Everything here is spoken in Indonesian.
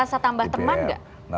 perlu merasa tambah teman gak